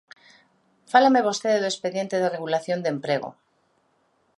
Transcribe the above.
Fálame vostede do expediente de regulación de emprego.